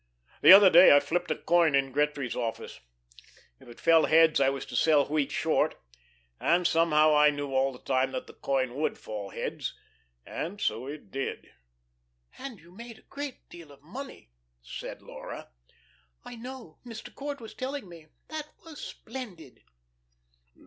The other day I flipped a coin in Gretry's office. If it fell heads I was to sell wheat short, and somehow I knew all the time that the coin would fall heads and so it did." "And you made a great deal of money," said Laura. "I know. Mr. Court was telling me. That was splendid."